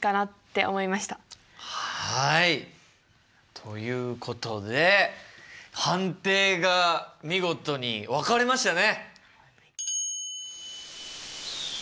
ということで判定が見事に分かれましたね。